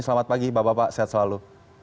selamat pagi bapak bapak sehat selalu